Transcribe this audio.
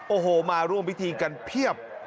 โอ้โหมาร่วมพิธีกันเพียบ